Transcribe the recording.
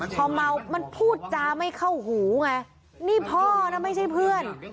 พอเมามันพูดจาไม่เข้าหูไงนี่พ่อนะไม่ใช่เพื่อน